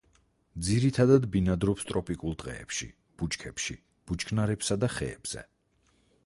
ძირითადად ბინადრობს ტროპიკულ ტყეებში, ბუჩქებში, ბუჩქნარებსა და ხეებზე.